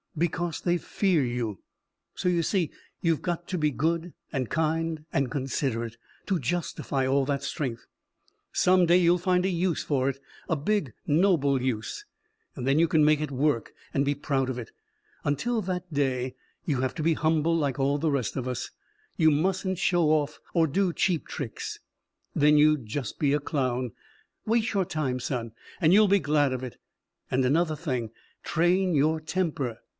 "Because they fear you. So you see, you've got to be good and kind and considerate to justify all that strength. Some day you'll find a use for it a big, noble use and then you can make it work and be proud of it. Until that day, you have to be humble like all the rest of us. You mustn't show off or do cheap tricks. Then you'd just be a clown. Wait your time, son, and you'll be glad of it. And another thing train your temper.